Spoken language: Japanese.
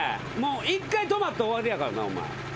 一回止まったら終わりやからなお前。